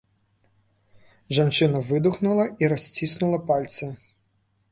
Жанчына выдахнула і расціснула пальцы.